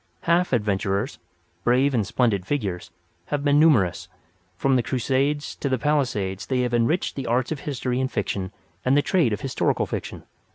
Half adventurers—brave and splendid figures—have been numerous. From the Crusades to the Palisades they have enriched the arts of history and fiction and the trade of historical fiction.